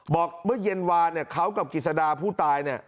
บอกเมื่อเย็นวานเนี่ยเขากับกิจสดาผู้ตายเนี่ย